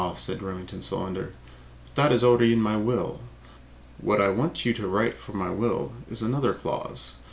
said Remington Solander. "But that is already in my will. What I want you to write for my will, is another clause.